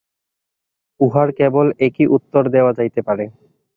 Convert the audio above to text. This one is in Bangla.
উহার কেবল এক-ই উত্তর দেওয়া যাইতে পারে।